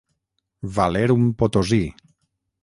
Valer un Potosí.